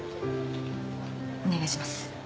お願いします。